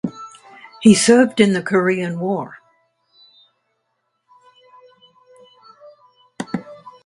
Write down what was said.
He served in the Korean War.